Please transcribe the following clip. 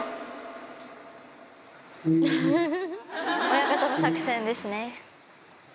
親方の作戦ですね。